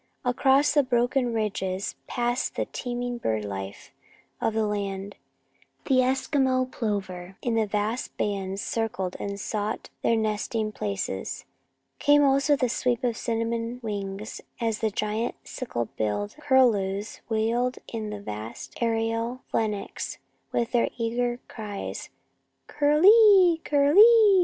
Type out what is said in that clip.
Across the broken ridges passed the teeming bird life of the land. The Eskimo plover in vast bands circled and sought their nesting places. Came also the sweep of cinnamon wings as the giant sickle billed curlews wheeled in vast aerial phalanx, with their eager cries, "Curlee! Curlee!